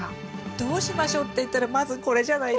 どうしましょうっていったらまずこれじゃないですか？